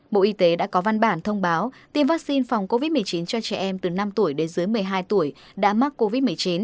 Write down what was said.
bộ y tế đã có văn bản thông báo tiêm vaccine phòng covid một mươi chín cho trẻ em từ năm tuổi đến dưới một mươi hai tuổi đã mắc covid một mươi chín